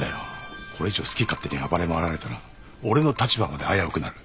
これ以上好き勝手に暴れ回られたら俺の立場まで危うくなる。